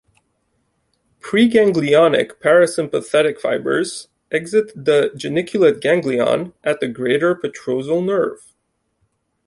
Preganglionic parasympathetic fibres exit the geniculate ganglion as the greater petrosal nerve.